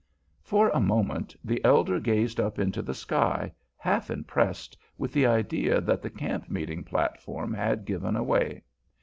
For a moment the elder gazed up into the sky, half impressed with the idea that the camp meeting platform had given way.